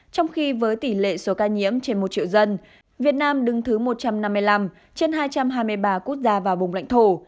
trong khi với tỷ lệ số ca nhiễm trên một triệu dân việt nam đứng thứ một trăm năm mươi năm trên hai trăm hai mươi ba quốc gia và vùng lãnh thổ